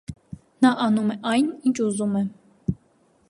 Նա անում է այն՝ ինչ ուզում է։